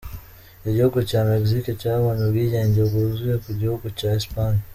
Igihugu cya Mexique cyabonye ubwigenge bwuzuye ku gihugu cya Espagne.